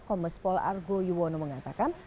komespol argo yuwono mengatakan